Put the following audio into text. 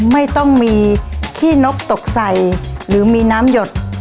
ไม่ต้องมีขี้นกตกใส่หรือมีน้ำหยด